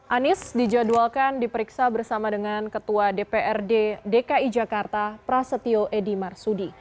anies dijadwalkan diperiksa bersama dengan ketua dprd dki jakarta prasetyo edy marsudi